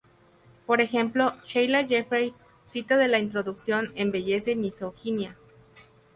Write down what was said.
Por ejemplo, Sheila Jeffreys cita de la introducción en "Belleza y Misoginia".